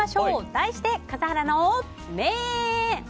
題して、笠原の眼！